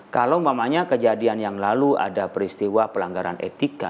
kalau kejadian yang lalu ada peristiwa pelanggaran etika